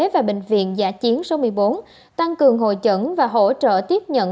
và bệnh viện giả chiến số một mươi bốn tăng cường hội chẩn và hỗ trợ tiếp nhận